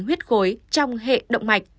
huyết khối trong hệ động mạch